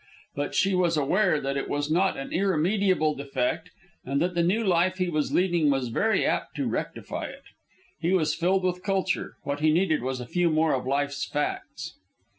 But she was aware that it was not an irremediable defect, and that the new life he was leading was very apt to rectify it. He was filled with culture; what he needed was a few more of life's facts.